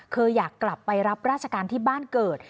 อยากกลับไปรับราชการที่บ้านเกิด